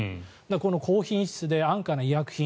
この高品質で安価な医薬品